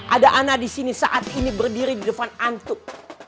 ada anak disini saat ini berdiri di depan antum